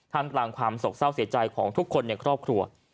ทั้งต่างความสงสารเสียใจของทุกคนครอบครัว